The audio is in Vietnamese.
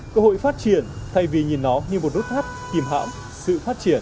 cơ hội phát triển thay vì nhìn nó như một rút thắt tìm hãm sự phát triển